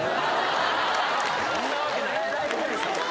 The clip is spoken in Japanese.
そんなわけない泣いてないですか？